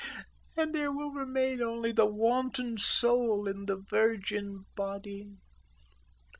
And there will remain only the wanton soul in the virgin body."